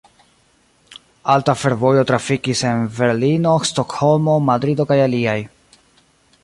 Alta fervojo trafikis en Berlino, Stokholmo, Madrido, kaj aliaj.